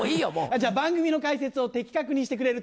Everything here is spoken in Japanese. じゃ番組の解説を的確にしてくれるテレビ。